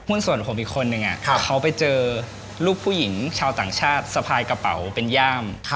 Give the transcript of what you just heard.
ส่วนผมอีกคนนึงเขาไปเจอลูกผู้หญิงชาวต่างชาติสะพายกระเป๋าเป็นย่าม